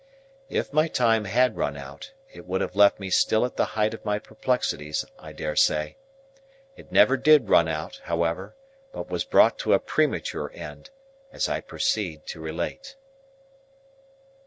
If my time had run out, it would have left me still at the height of my perplexities, I dare say. It never did run out, however, but was brought to a premature end, as I proceed to relate.